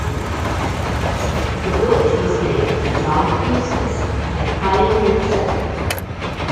The village was named for John Hustis, a pioneer settler.